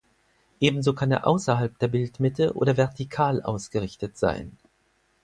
Ebenso kann er außerhalb der Bildmitte oder vertikal ausgerichtet sein.